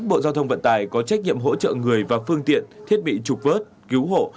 bộ giao thông vận tải có trách nhiệm hỗ trợ người và phương tiện thiết bị trục vớt cứu hộ